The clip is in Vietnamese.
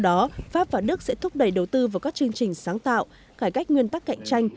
do đó pháp và đức sẽ thúc đẩy đầu tư vào các chương trình sáng tạo cải cách nguyên tắc cạnh tranh